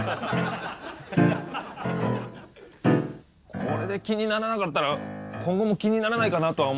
これで気にならなかったら今後も気にならないかなとは思うんですけど。